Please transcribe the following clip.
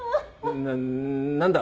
な何だ？